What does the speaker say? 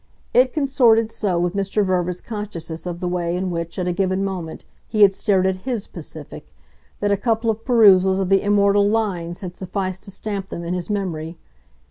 It consorted so with Mr. Verver's consciousness of the way in which, at a given moment, he had stared at HIS Pacific, that a couple of perusals of the immortal lines had sufficed to stamp them in his memory.